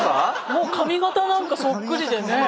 もう髪型なんかそっくりでね。